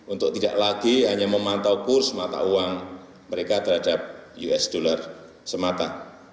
untuk tidak lagi hanya memantau kurs mata uang mereka terhadap us dollar semata